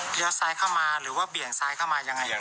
เดี๋ยวซ้ายเข้ามาหรือว่าเบี่ยงซ้ายเข้ามายังไง